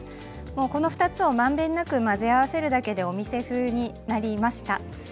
この２つをまんべんなく混ぜ合わせるだけでお店風になりました。